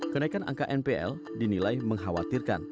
kenaikan angka npl dinilai mengkhawatirkan